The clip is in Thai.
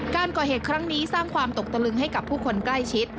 การก่อเหตุครั้งนี้สร้างความตกตะลึงให้กับผู้คนใกล้ชิด